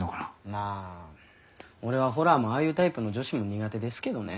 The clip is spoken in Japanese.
まあ俺はホラーもああいうタイプの女子も苦手ですけどね。